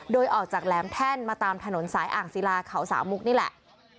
โดยออกจากแหลมแท่นมาตามถนนสายอ่างศิลาเขาสามมุกนี่แหละ